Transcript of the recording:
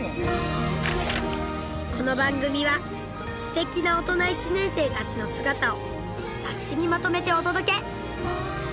この番組はすてきな“大人１年生”たちの姿を雑誌にまとめてお届け！